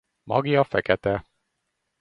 Magja fekete.